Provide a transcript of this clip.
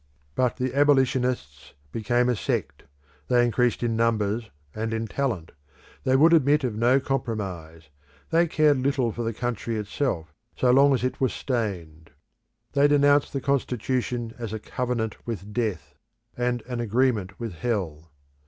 But the abolitionists became a sect; they increased in numbers and in talent; they would admit of no compromise; they cared little for the country itself so long as it was stained. They denounced the constitution as a covenant with death, and an agreement with hell.